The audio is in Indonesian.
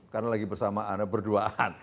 karena lagi bersamaan berduaan